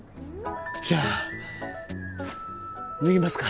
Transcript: じゃあ脱ぎますか。